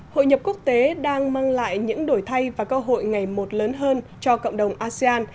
hội nhập quốc tế đang mang lại những đổi thay và cơ hội ngày một lớn hơn cho cộng đồng asean